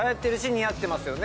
似合ってますよね。